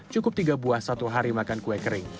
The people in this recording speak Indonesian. cukup tiga buah satu hari makan kue kering